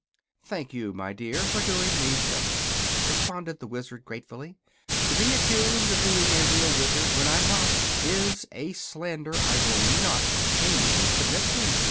"Thank you, my dear, for doing me justice," responded the Wizard, gratefully. "To be accused of being a real wizard, when I'm not, is a slander I will not tamely submit to.